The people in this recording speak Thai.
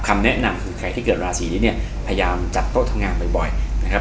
คำแนะนำคือใครที่เกิดราศีนี้เนี่ยพยายามจัดโต๊ะทำงานบ่อยนะครับ